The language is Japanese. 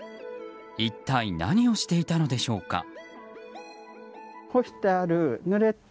一体、何をしていたのでしょうか。